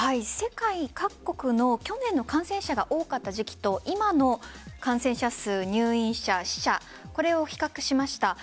世界各国の去年の感染者が多かった時期と今の感染者数、入院者、死者これを比較しました。